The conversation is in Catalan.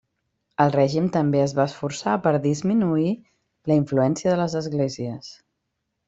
El règim també es va esforçar per disminuir la influència de les esglésies.